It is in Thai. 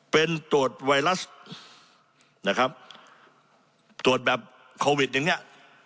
เป็นตรวจไวรัสนะครับตรวจแบบโควิดอย่างเนี้ย